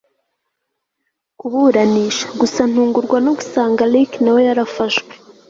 kuburanisha gusa ntungurwa no gusanga Rick nawe yarafashwe